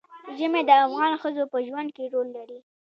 ژمی د افغان ښځو په ژوند کې رول لري.